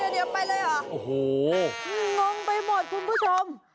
เดี๋ยวไปเลยเหรอโอ้โหงงไปหมดคุณผู้ชม